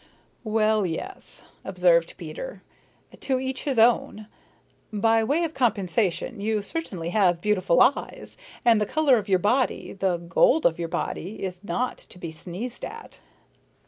"Well, yes," observed Peter, "to each his own. By way of compensation you certainly have beautiful eyes, and the color of your body, the gold of your body, is not to be sneezed at."